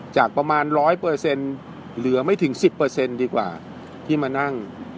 จากประมาณ๑๐๐เหลือไม่ถึง๑๐ดีกว่าที่มานั่ง